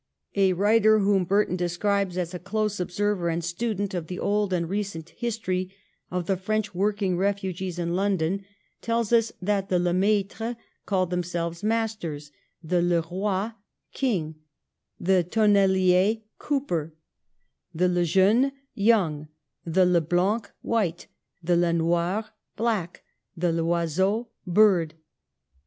A writer, whom Burton describes as 'a close ob server and student of the old and recent history of the French working refugees in London/ tells us that ' the Lemaitres called themselves Masters ; the Le Eoys, King ; the Tonnelliers, Cooper ; the Lejeunes, Young ; the Leblancs, White ; the Lenoirs, Black ; the Loiseaus, Bird.'